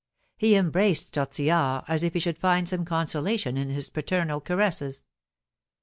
He embraced Tortillard, as if he should find some consolation in his paternal caresses.